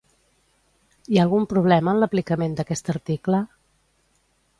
Hi ha algun problema en l'aplicament d'aquest article?